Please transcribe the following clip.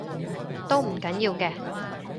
都唔緊要嘅